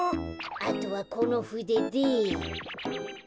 あとはこのふでで。